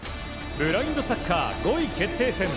ブラインドサッカー５位決定戦。